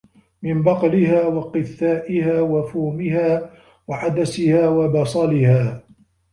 مِنْ بَقْلِهَا وَقِثَّائِهَا وَفُومِهَا وَعَدَسِهَا وَبَصَلِهَا ۖ